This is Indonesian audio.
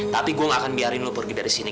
tapi gue gak akan biarin lo pergi dari sini